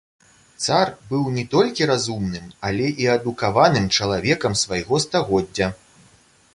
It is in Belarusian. Цар быў не толькі разумным, але і адукаваным чалавекам свайго стагоддзя.